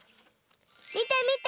みてみて！